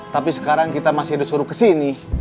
tapi sekarang kita masih ada suruh kesini